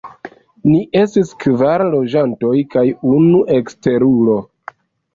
Ni estis kvar loĝantoj kaj unu eksterulo.